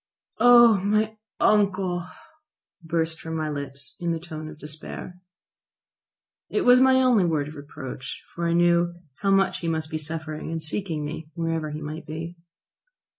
"Oh, my uncle!" burst from my lips in the tone of despair. It was my only word of reproach, for I knew how much he must be suffering in seeking me, wherever he might be.